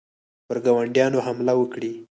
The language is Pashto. پر ګاونډیانو حمله وکړي.